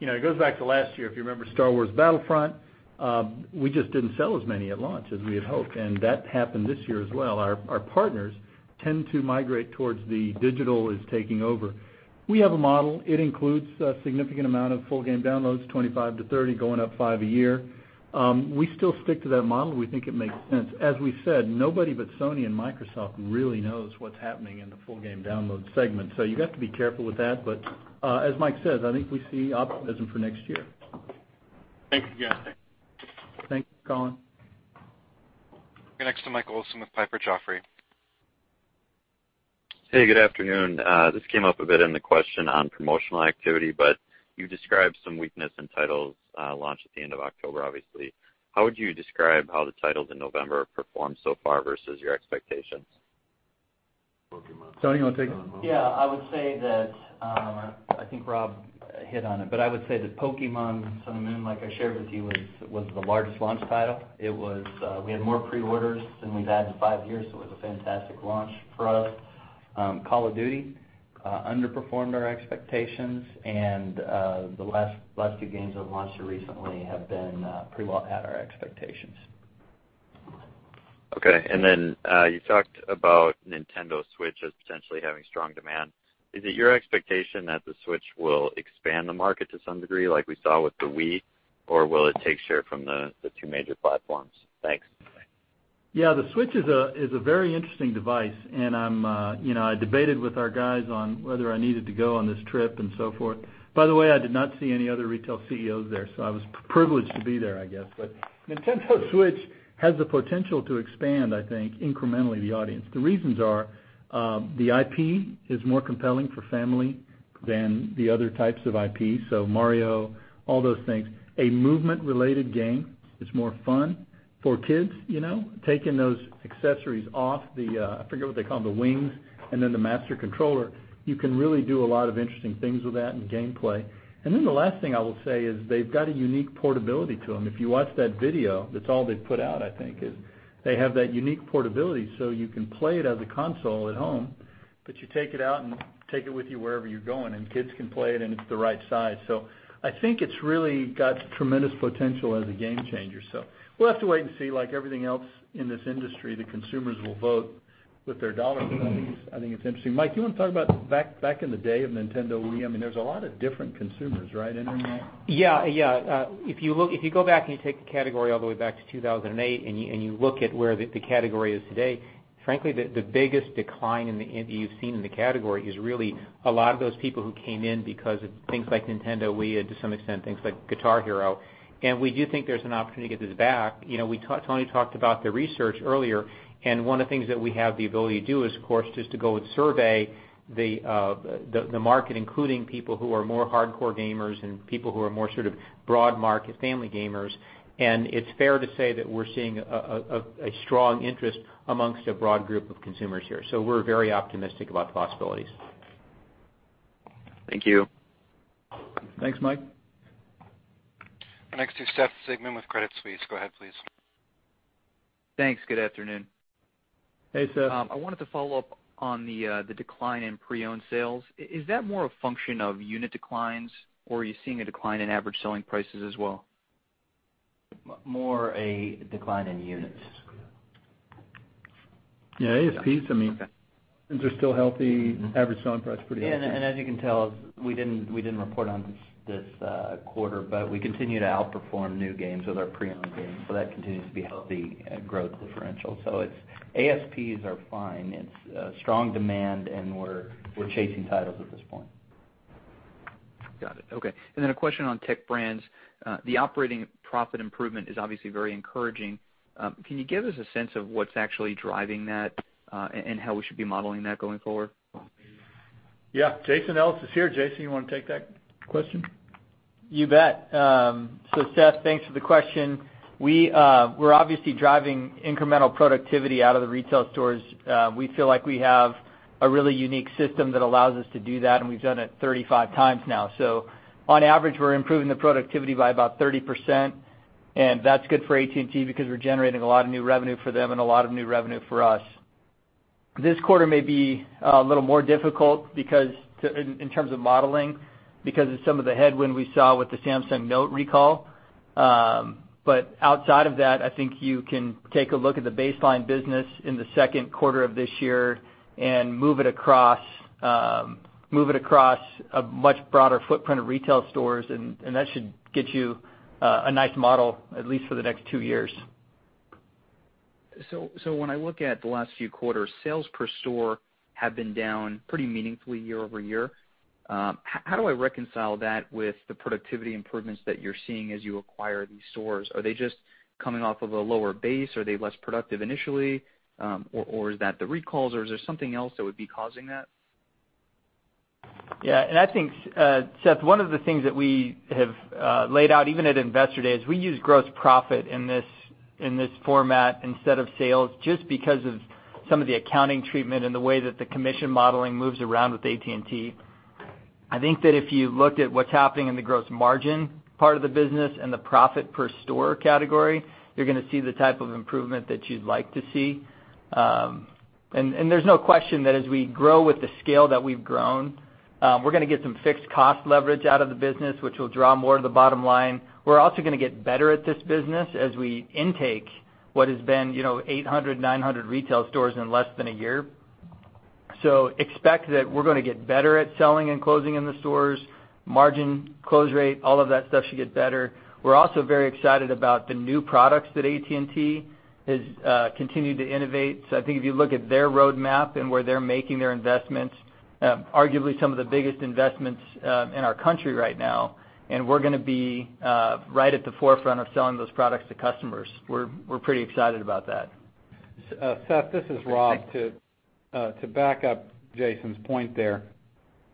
It goes back to last year. If you remember "Star Wars Battlefront," we just didn't sell as many at launch as we had hoped, and that happened this year as well. Our partners tend to migrate towards the digital is taking over. We have a model. It includes a significant amount of full game downloads, 25 to 30, going up five a year. We still stick to that model. We think it makes sense. As we said, nobody but Sony and Microsoft really knows what's happening in the full game download segment. You've got to be careful with that. As Mike says, I think we see optimism for next year. Thank you. Yeah. Thanks. Thanks, Colin. Next to Michael Olson with Piper Jaffray. Hey, good afternoon. This came up a bit in the question on promotional activity. You described some weakness in titles launched at the end of October, obviously. How would you describe how the titles in November have performed so far versus your expectations? Pokémon. Tony, you want to take it? Yeah. I would say that, I think Rob hit on it, but I would say that "Pokémon Sun and Moon," like I shared with you, was the largest launch title. We had more pre-orders than we've had in five years, so it was a fantastic launch for us. "Call of Duty" underperformed our expectations, and the last few games that launched recently have been pretty well at our expectations. Okay. You talked about Nintendo Switch as potentially having strong demand. Is it your expectation that the Switch will expand the market to some degree like we saw with the Wii, or will it take share from the two major platforms? Thanks. Yeah, the Switch is a very interesting device, and I debated with our guys on whether I needed to go on this trip and so forth. By the way, I did not see any other retail CEOs there, so I was privileged to be there, I guess. Nintendo Switch The Switch has the potential to expand, I think, incrementally, the audience. The reasons are the IP is more compelling for family than the other types of IP. Mario, all those things. A movement-related game is more fun for kids. Taking those accessories off the, I forget what they call them, the wings, and then the master controller, you can really do a lot of interesting things with that and gameplay. The last thing I will say is they've got a unique portability to them. If you watch that video, that's all they've put out, I think, is they have that unique portability. You can play it as a console at home, but you take it out and take it with you wherever you're going, and kids can play it, and it's the right size. I think it's really got tremendous potential as a game changer. We'll have to wait and see. Like everything else in this industry, the consumers will vote with their dollars. I think it's interesting. Mike, do you want to talk about back in the day of Nintendo Wii? I mean, there's a lot of different consumers, right? Internet. Yeah. If you go back and you take the category all the way back to 2008, you look at where the category is today, frankly, the biggest decline you've seen in the category is really a lot of those people who came in because of things like Nintendo Wii and to some extent, things like Guitar Hero. We do think there's an opportunity to get this back. Tony talked about the research earlier, one of the things that we have the ability to do is, of course, just to go and survey the market, including people who are more hardcore gamers and people who are more sort of broad market family gamers. It's fair to say that we're seeing a strong interest amongst a broad group of consumers here. We're very optimistic about the possibilities. Thank you. Thanks, Mike. Next to Seth Sigman with Credit Suisse. Go ahead, please. Thanks. Good afternoon. Hey, Seth. I wanted to follow up on the decline in pre-owned sales. Is that more a function of unit declines, or are you seeing a decline in average selling prices as well? More a decline in units. Yeah, ASPs, I mean, things are still healthy. Average selling price is pretty healthy. Yeah, as you can tell, we didn't report on this quarter, but we continue to outperform new games with our pre-owned games. That continues to be healthy growth differential. ASPs are fine. It's strong demand, we're chasing titles at this point. Got it. Okay. Then a question on Tech Brands. The operating profit improvement is obviously very encouraging. Can you give us a sense of what's actually driving that and how we should be modeling that going forward? Yeah. Jason Ellis is here. Jason, you want to take that question? You bet. Seth, thanks for the question. We're obviously driving incremental productivity out of the retail stores. We feel like we have a really unique system that allows us to do that, and we've done it 35 times now. On average, we're improving the productivity by about 30%, and that's good for AT&T because we're generating a lot of new revenue for them and a lot of new revenue for us. This quarter may be a little more difficult in terms of modeling because of some of the headwind we saw with the Samsung Note recall. Outside of that, I think you can take a look at the baseline business in the second quarter of this year and move it across a much broader footprint of retail stores, and that should get you a nice model, at least for the next two years. When I look at the last few quarters, sales per store have been down pretty meaningfully year-over-year. How do I reconcile that with the productivity improvements that you're seeing as you acquire these stores? Are they just coming off of a lower base? Are they less productive initially? Is that the recalls, or is there something else that would be causing that? Yeah, I think, Seth, one of the things that we have laid out, even at Investor Day, is we use gross profit in this format instead of sales, just because of some of the accounting treatment and the way that the commission modeling moves around with AT&T. I think that if you looked at what's happening in the gross margin part of the business and the profit per store category, you're going to see the type of improvement that you'd like to see. There's no question that as we grow with the scale that we've grown, we're going to get some fixed cost leverage out of the business, which will draw more to the bottom line. We're also going to get better at this business as we intake what has been 800, 900 retail stores in less than a year. Expect that we're going to get better at selling and closing in the stores. Margin, close rate, all of that stuff should get better. We're also very excited about the new products that AT&T has continued to innovate. I think if you look at their roadmap and where they're making their investments, arguably some of the biggest investments in our country right now, and we're going to be right at the forefront of selling those products to customers. We're pretty excited about that. Seth, this is Rob. To back up Jason's point there,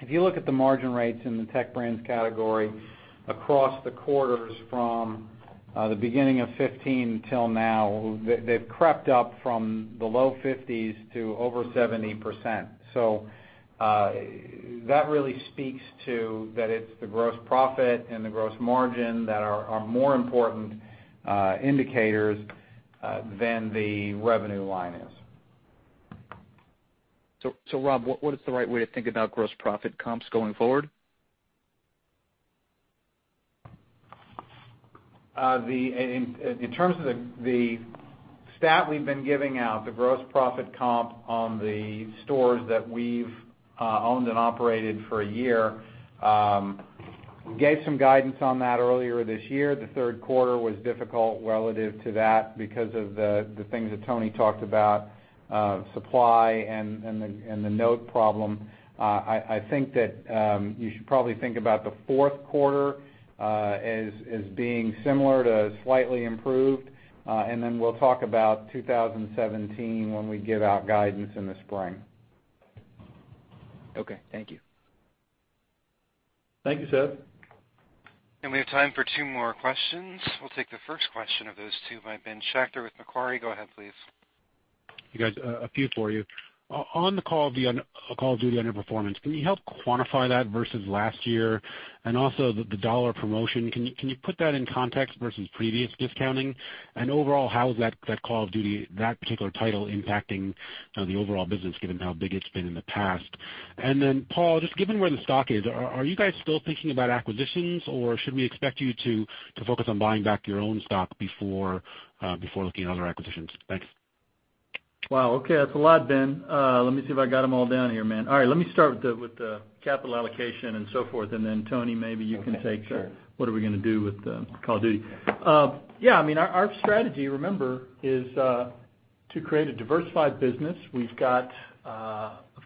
if you look at the margin rates in the Tech Brands category across the quarters from the beginning of 2015 till now, they've crept up from the low 50% to over 70%. That really speaks to that it's the gross profit and the gross margin that are more important indicators than the revenue line is. Rob, what is the right way to think about gross profit comps going forward? In terms of the stat we've been giving out, the gross profit comp on the stores that we've owned and operated for a year, gave some guidance on that earlier this year. The third quarter was difficult relative to that because of the things that Tony talked about, supply and the Note problem. I think that you should probably think about the fourth quarter as being similar to slightly improved, and then we'll talk about 2017 when we give out guidance in the spring. Okay. Thank you. Thank you, Seth. We have time for two more questions. We'll take the first question of those two by Ben Schachter with Macquarie. Go ahead, please. You guys, a few for you. On the Call of Duty underperformance, can you help quantify that versus last year? Also the dollar promotion, can you put that in context versus previous discounting? Overall, how is that Call of Duty, that particular title impacting the overall business, given how big it's been in the past? Then Paul, just given where the stock is, are you guys still thinking about acquisitions, or should we expect you to focus on buying back your own stock before looking at other acquisitions? Thanks. Wow, okay. That's a lot, Ben. Let me see if I got them all down here, man. All right. Let me start with the capital allocation and so forth, and then Tony, maybe you can take- Okay. Sure What are we going to do with the Call of Duty? Yeah. Our strategy, remember, is to create a diversified business. We've got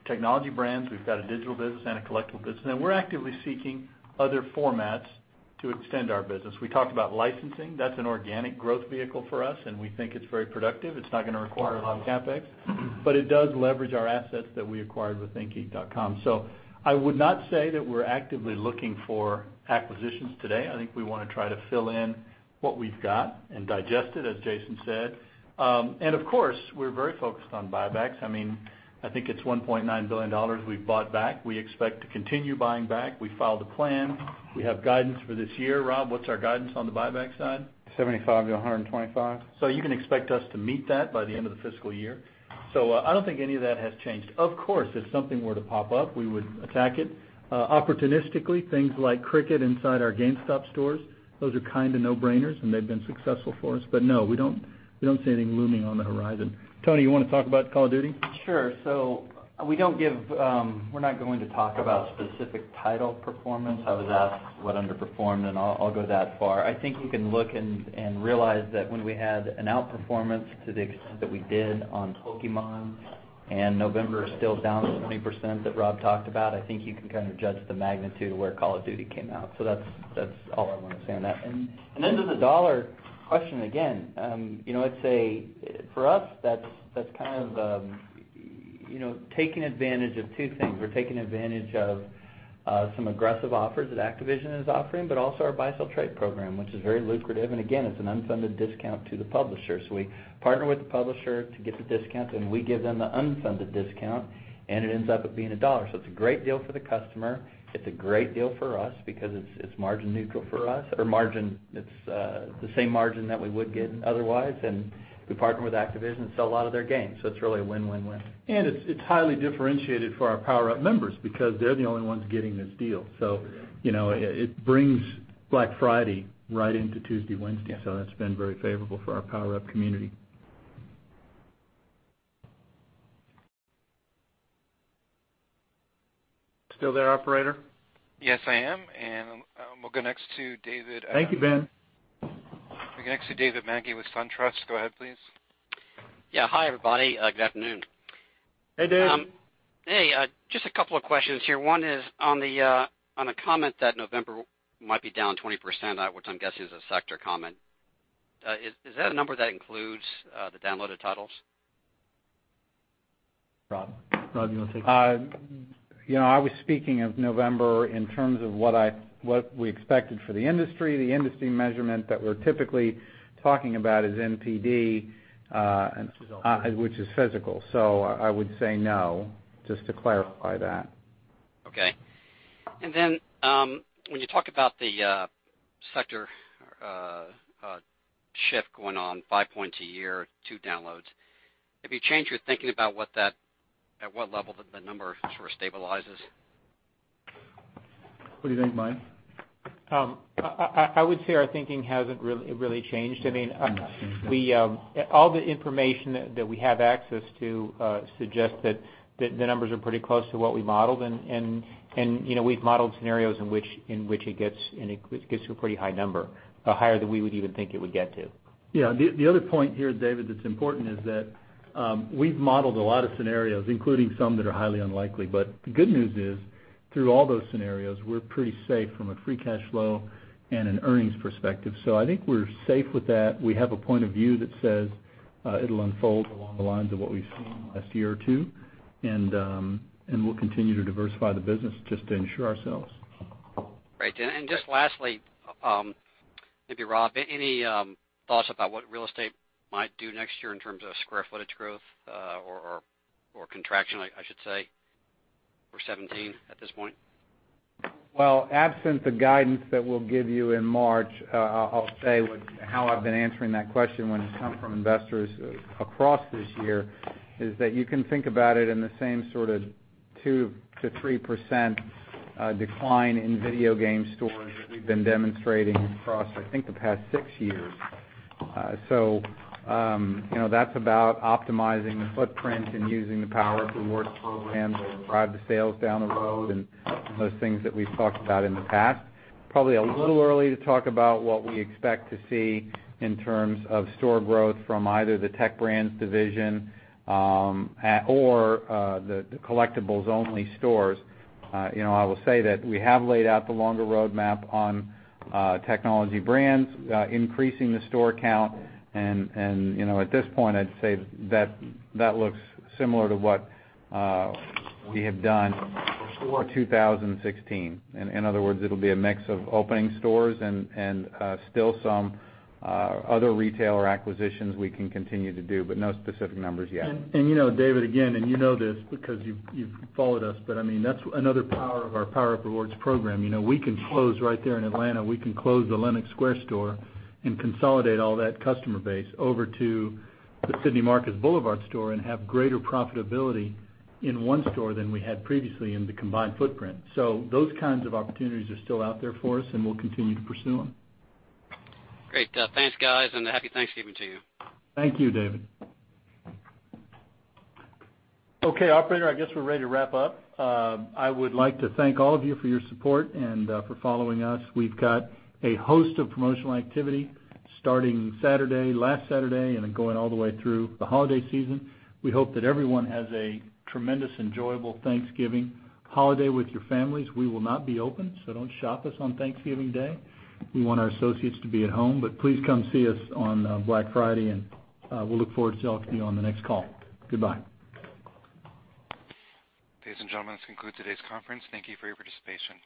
technology brands, we've got a digital business and a collectible business, and we're actively seeking other formats to extend our business. We talked about licensing. That's an organic growth vehicle for us, and we think it's very productive. It's not going to require a lot of CapEx, but it does leverage our assets that we acquired with thinkgeek.com. I would not say that we're actively looking for acquisitions today. I think we want to try to fill in what we've got and digest it, as Jason said. Of course, we're very focused on buybacks. I think it's $1.9 billion we've bought back. We expect to continue buying back. We filed a plan. We have guidance for this year. Rob, what's our guidance on the buyback side? 75 to 125. You can expect us to meet that by the end of the fiscal year. I don't think any of that has changed. Of course, if something were to pop up, we would attack it. Opportunistically, things like Cricket inside our GameStop stores, those are kind of no-brainers, and they've been successful for us. No, we don't see anything looming on the horizon. Tony, you want to talk about Call of Duty? Sure. We're not going to talk about specific title performance. I was asked what underperformed, and I'll go that far. I think you can look and realize that when we had an outperformance to the extent that we did on Pokémon, November is still down 20% that Rob talked about, I think you can judge the magnitude of where Call of Duty came out. That's all I want to say on that. Then to the dollar question again, I'd say for us, that's taking advantage of two things. We're taking advantage of some aggressive offers that Activision is offering, but also our Buy, Sell, Trade program, which is very lucrative. Again, it's an unfunded discount to the publisher. We partner with the publisher to get the discount, and we give them the unfunded discount, and it ends up at being a dollar. It's a great deal for the customer. It's a great deal for us because it's margin neutral for us, or it's the same margin that we would get otherwise. We partner with Activision and sell a lot of their games. It's really a win-win-win. It's highly differentiated for our PowerUp members because they're the only ones getting this deal. It brings Black Friday right into Tuesday, Wednesday. That's been very favorable for our PowerUp community. Still there, operator? Yes, I am. We'll go next to David- Thank you, Ben We'll go next to David Magee with SunTrust. Go ahead, please. Yeah. Hi, everybody. Good afternoon. Hey, Dave. Hey. Just a couple of questions here. One is on a comment that November might be down 20%, which I'm guessing is a sector comment. Is that a number that includes the downloaded titles? Rob. Rob, do you want to take that? I was speaking of November in terms of what we expected for the industry. The industry measurement that we're typically talking about is NPD- Which is all physical which is physical. I would say no, just to clarify that. Okay. When you talk about the sector shift going on five points a year to downloads, have you changed your thinking about at what level the number sort of stabilizes? What do you think, Mike? I would say our thinking hasn't really changed. Yeah. It hasn't changed. Yeah. All the information that we have access to suggests that the numbers are pretty close to what we modeled, and we've modeled scenarios in which it gets to a pretty high number, higher than we would even think it would get to. The other point here, David, that's important is that we've modeled a lot of scenarios, including some that are highly unlikely. The good news is, through all those scenarios, we're pretty safe from a free cash flow and an earnings perspective. I think we're safe with that. We have a point of view that says it'll unfold along the lines of what we've seen in the last year or two, and we'll continue to diversify the business just to ensure ourselves. Great. Just lastly, maybe Rob, any thoughts about what real estate might do next year in terms of square footage growth or contraction, I should say, for 2017 at this point? Absent the guidance that we'll give you in March, I'll say how I've been answering that question when it's come from investors across this year is that you can think about it in the same sort of 2%-3% decline in video game stores that we've been demonstrating across, I think, the past six years. That's about optimizing the footprint and using the PowerUp Rewards program that will drive the sales down the road and those things that we've talked about in the past. Probably a little early to talk about what we expect to see in terms of store growth from either the Tech Brands division or the collectibles-only stores. I will say that we have laid out the longer roadmap on technology brands increasing the store count, and at this point, I'd say that looks similar to what we have done for 2016. In other words, it'll be a mix of opening stores and still some other retailer acquisitions we can continue to do, no specific numbers yet. You know, David, again, you know this because you've followed us, but that's another power of our PowerUp Rewards program. We can close right there in Atlanta, we can close the Lenox Square store and consolidate all that customer base over to the Sidney Marcus Boulevard store and have greater profitability in one store than we had previously in the combined footprint. Those kinds of opportunities are still out there for us, and we'll continue to pursue them. Great. Thanks, guys, and a Happy Thanksgiving to you. Thank you, David. Okay, operator, I guess we're ready to wrap up. I would like to thank all of you for your support and for following us. We've got a host of promotional activity starting Saturday, last Saturday, and then going all the way through the holiday season. We hope that everyone has a tremendous, enjoyable Thanksgiving holiday with your families. We will not be open, so don't shop us on Thanksgiving Day. We want our associates to be at home, but please come see us on Black Friday, and we'll look forward to y'all to be on the next call. Goodbye. Ladies and gentlemen, this concludes today's conference. Thank you for your participation.